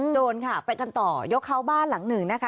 โจรค่ะไปกันต่อยกเขาบ้านหลังหนึ่งนะคะ